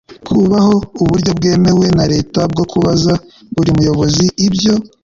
kubaho uburyo bwemewe na leta bwo kubaza buri muyobozi ibyo